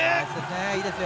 いいですよ。